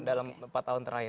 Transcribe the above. dalam empat tahun terakhir